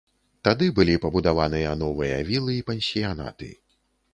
Тады былі пабудаваныя новыя вілы і пансіянаты.